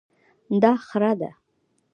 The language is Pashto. دا خره ده